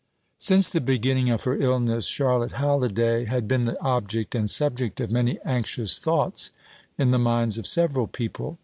Since the beginning of her illness, Charlotte Halliday had been the object and subject of many anxious thoughts in the minds of several people.